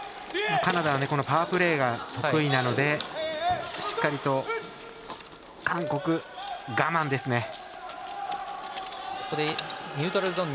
カナダはパワープレーが得意なのでしっかりと韓国、我慢ですね。